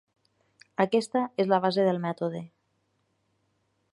Aquesta és la base del mètode.